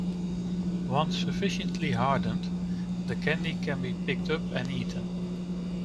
Once sufficiently hardened, the candy can be picked up and eaten.